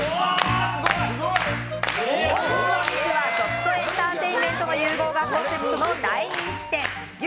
本日のお肉は食とエンターテインメントの融合がコンセプトの大人気店牛